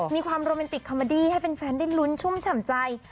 มีความโรแมนติกคอมเมอดี้ให้แฟนได้ลุ้นชุ่มฉ่ำใจ